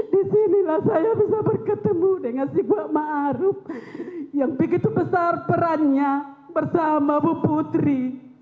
disinilah saya bisa berketemu dengan si kuatmaruf yang begitu besar perannya bersama ibu putri